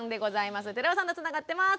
寺尾さんとつながってます。